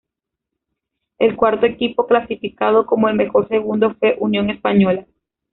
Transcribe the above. El cuarto equipo clasificado como el mejor segundo fue Unión Española.